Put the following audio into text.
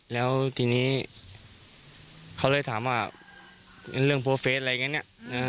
แล้วทีนี้เขาเลยถามว่าเรื่องโพลเฟสอะไรอย่างนี้เนี่ย